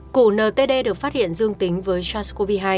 cụ ntd được phát hiện dương tính với sars cov hai